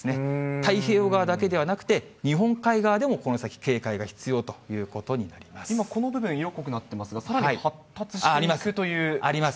太平洋側だけではなくて、日本海側でも、この先、警戒が必要とい今、この部分、色濃くなってますが、あります。